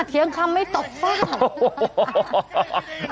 เถียงคำไม่ตกห่อ